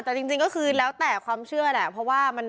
แต่จริงก็คือแล้วแต่ความเชื่อแหละเพราะว่ามัน